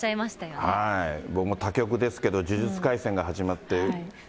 僕も他局ですけど、呪術廻戦が始まって。